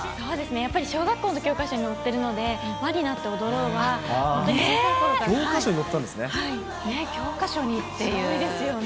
やっぱり小学校の教科書に載ってるので、ＷＡになっておどろうは、教科書に載ったんですね。